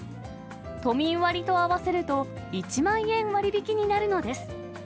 都民割と合わせると１万円割引になるのです。